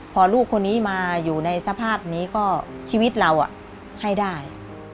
พอลูกคนนี้มาอยู่ในสภาพนี้ก็ชีวิตเราให้ได้